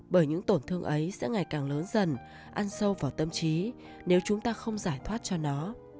bởi những tổn thương ấy sẽ ngày càng lớn dần ăn sâu vào tâm trí nếu chúng ta không giải thoát cho nó